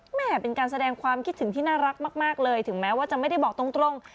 แม่เป็นการแสดงความคิดถึงที่น่ารักมากเลยถึงแม้ว่าจะไม่ได้บอกตรง